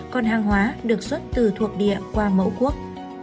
còn hàng hóa được xuất từ thuộc địa qua mẫu quốc